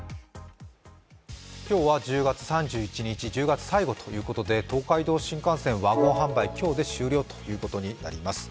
今日は１０月３１日、１０月最後ということで東海道新幹線、ワゴン販売今日で終了ということになります。